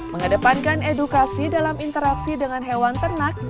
mengedepankan edukasi dalam interaksi dengan hewan ternak